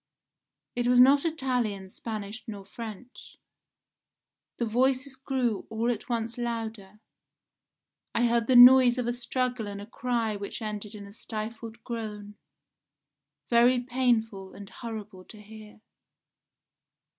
It was not Italian, Spanish, nor French. The voices grew all at once louder; I heard the noise of a struggle and a cry which ended in a stifled groan, very painful and horrible to hear.